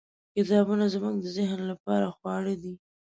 . کتابونه زموږ د ذهن لپاره خواړه دي.